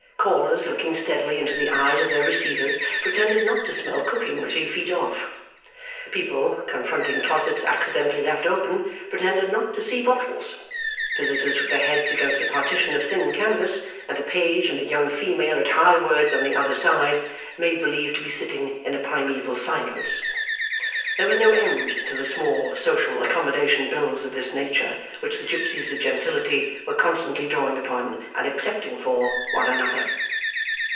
Callers looking steadily into the eyes of their receivers, pretended not to smell cooking three feet off; people, confronting closets accidentally left open, pretended not to see bottles; visitors with their heads against a partition of thin canvas, and a page and a young female at high words on the other side, made believe to be sitting in a primeval silence. There was no end to the small social accommodation bills of this nature which the gipsies of gentility were constantly drawing upon, and accepting for, one another.